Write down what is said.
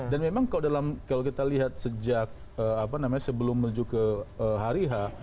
dan memang kalau kita lihat sejak sebelum menuju ke hariha